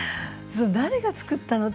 誰が作ったの？